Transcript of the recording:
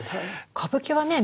歌舞伎はね